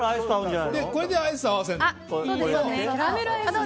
これでアイスを合わせると。